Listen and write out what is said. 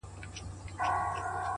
د چا د سترگو د رڼا په حافظه کي نه يم-